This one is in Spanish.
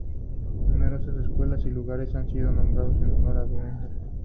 Numerosas escuelas y lugares han sido nombrados en honor a Dunbar.